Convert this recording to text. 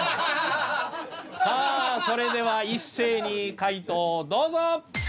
それでは一斉に解答をどうぞ。